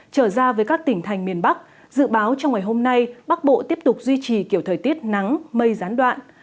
trở ra với các tỉnh thành miền bắc dự báo trong ngày hôm nay bắc bộ tiếp tục duy trì kiểu thời tiết nắng mây gián đoạn